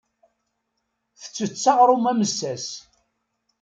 Tettett aɣrum amessas.